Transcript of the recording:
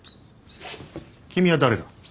君は誰だ？